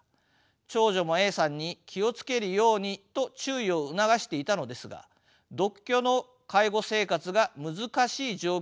長女もＡさんに気を付けるようにと注意を促していたのですが独居の介護生活が難しい状況になっていったそうです。